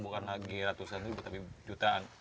bukan lagi ratusan ribu tapi jutaan